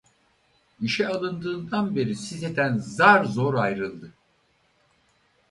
İşe alındığından beri siteden zar zor ayrıldı.